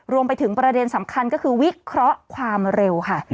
รวมไปถึงประเด็นสำคัญก็คือวิเคราะห์ความเร็วค่ะ